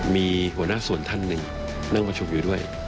มีหัวหน้าส่วนท่านหนึ่งนั่งประชุมอยู่ด้วย